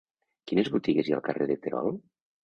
Quines botigues hi ha al carrer de Terol?